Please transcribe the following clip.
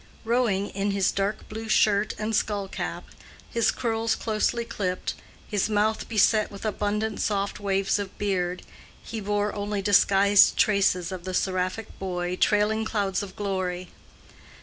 Rowing in his dark blue shirt and skull cap, his curls closely clipped, his mouth beset with abundant soft waves of beard, he bore only disguised traces of the seraphic boy "trailing clouds of glory."